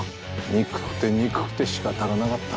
憎くて憎くてしかたがなかった。